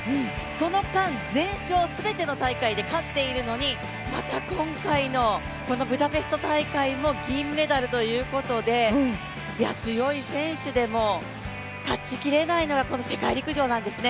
その間、全勝、全ての大会で勝っているのにまた今回のこのブダペスト大会も銀メダルということで、強い選手でも、勝ちきれないのがこの世界陸上なんですね。